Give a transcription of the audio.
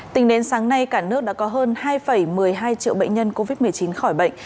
tính đến sáng nay cả nước đã có hơn hai một mươi hai triệu bệnh nhân covid một mươi chín khỏi bệnh